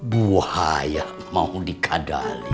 buaya mau dikadali